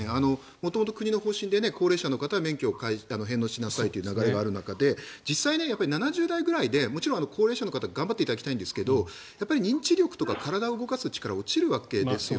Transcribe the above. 元々、国の方針で高齢者の方は免許を返納しなさいという流れがある中で実際、７０歳ぐらいで高齢者の方には頑張っていただきたいんですが認知力とか体を動かす力は落ちるわけです。